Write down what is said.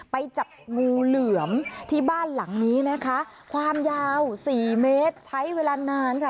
ไปจับงูเหลือมที่บ้านหลังนี้นะคะความยาวสี่เมตรใช้เวลานานค่ะ